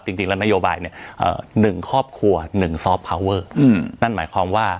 จริงจริงแล้วนโยบายเนี่ยเอ่อหนึ่งครอบครัวหนึ่งนั่นหมายความว่า